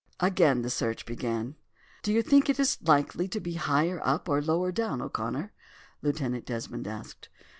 Again the search began. "Do you think it is likely to be higher up or lower down, O'Connor?" Lieutenant Desmond asked.